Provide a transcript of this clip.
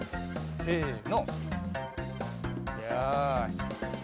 せの！